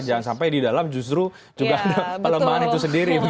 jangan sampai di dalam justru juga ada pelemahan itu sendiri